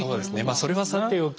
それはさておき